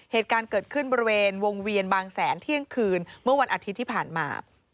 เหตุการณ์เกิดขึ้นบริเวณวงเวียนบางแสนเที่ยงคืนเมื่อวันอาทิตย์ที่ผ่านมา